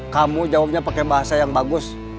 kamu jawabnya pakai bahasa yang bagus